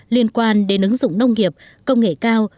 liên quan đến ứng dụng nông nghiệp công nghệ cao